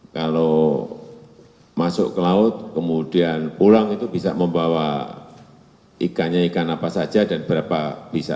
kalau masuk ke laut kemudian pulang itu bisa membawa ikannya ikan apa saja dan berapa bisa